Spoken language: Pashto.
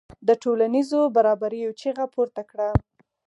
د ټولنیزو برابریو چیغه پورته کړه.